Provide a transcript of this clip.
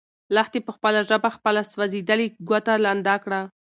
لښتې په خپله ژبه خپله سوځېدلې ګوته لنده کړه.